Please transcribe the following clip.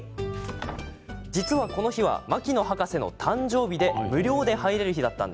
実は、この日は牧野博士の誕生日で無料で入れる日。